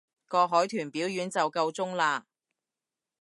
個海豚表演就夠鐘喇